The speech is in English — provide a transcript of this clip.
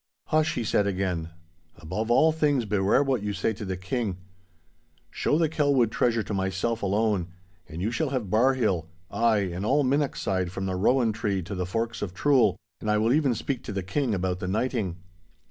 'Hush!' he said again, 'above all things beware what you say to the King. Show the Kelwood treasure to myself alone, and you shall have Barrhill—ay, and all Minnochside from the Rowan tree to the forks of Trool, and I will even speak to the King about the knighting!